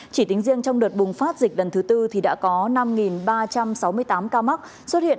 chỉ tính riêng trong đợt bùng phát dịch lần thứ tư thì đã có năm ba trăm sáu mươi tám ca mắc xuất hiện